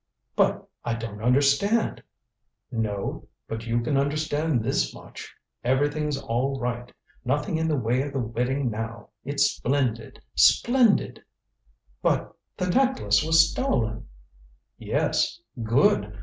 "But I don't understand " "No. But you can understand this much. Everything's all right. Nothing in the way of the wedding now. It's splendid! Splendid!" "But the necklace was stolen " "Yes. Good!